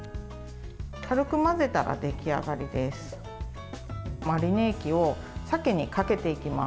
軽く混ぜたら、出来上がりです。